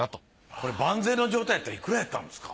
これ万全の状態やったらいくらやったんですか？